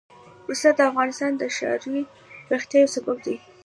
پسه د افغانستان د ښاري پراختیا یو سبب دی.